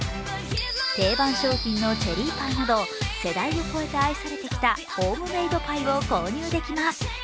定番商品のチェリーパイなど世代を超えた愛されてきたホームメイドパイを購入できます。